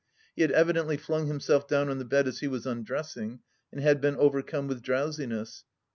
He had evidently flung himself down on the bed as he was undressing, and had been overcome with drowsiness.